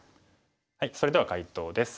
それでは解答です。